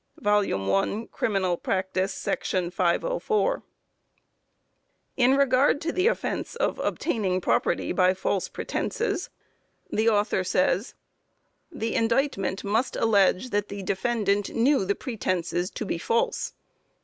(1 Crim. Prac. §504.) In regard to the offence of obtaining property by false pretenses, the author says: "The indictment must allege that the defendant knew the pretenses to be false.